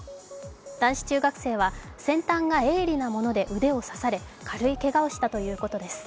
男子中学生は先端が鋭利なもので腕を刺され軽いけがをしたということです。